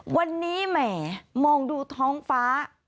วันนี้แหมมองดูท้องฟ้า